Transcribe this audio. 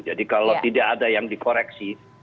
jadi kalau tidak ada yang dikoreksi